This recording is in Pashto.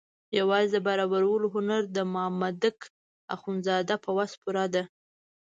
یوازې د برابرولو هنر د مامدک اخندزاده په وس پوره ده.